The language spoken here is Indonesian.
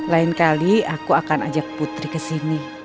lain kali aku akan ajak putri kesini